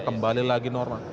kembali lagi norma